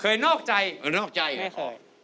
เคยนอกใจไม่เคย